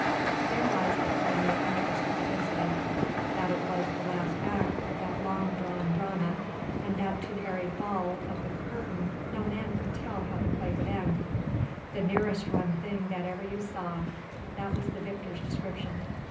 There lies the perennial interest of the incident, that it was the last act of that long drawn drama, and that to the very fall of the curtain no man could tell how the play would end—"the nearest run thing that ever you saw"—that was the victor's description.